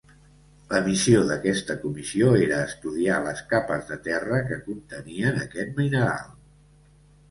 La missió d'aquesta comissió era estudiar les capes de terra que contenien aquest mineral.